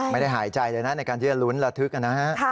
ไม่ได้หายใจเลยนะในการเรื่องรุ้นระทึกอ่ะนะฮะ